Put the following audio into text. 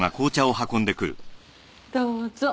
どうぞ。